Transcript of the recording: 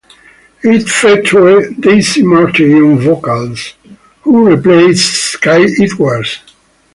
It featured Daisy Martey on vocals, who replaced Skye Edwards.